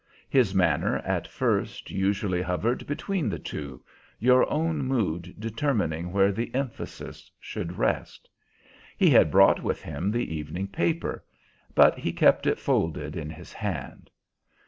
His manner at first usually hovered between the two, your own mood determining where the emphasis should rest. He had brought with him the evening paper, but he kept it folded in his hand.